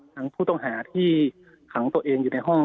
ทั้งผู้ต้องหาที่ขังตัวเองอยู่ในห้อง